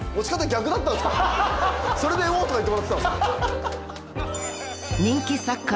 それで「お」とか言ってもらってたんですか？